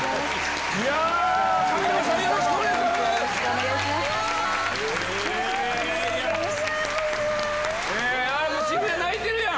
ありがとうございます。